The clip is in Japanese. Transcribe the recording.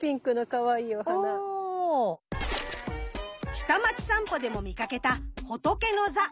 「下町さんぽ」でも見かけたホトケノザ。